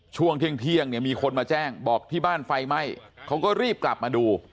ช่วงเที่ยงเนี่ยมีคนมาแจ้งบอกที่บ้านไฟไหม้เขาก็รีบกลับมาดู